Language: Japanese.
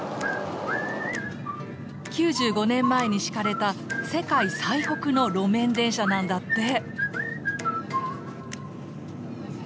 ９５年前に敷かれた世界最北の路面電車なんだって。